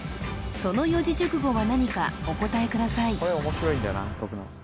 その四字熟語は何かお答えください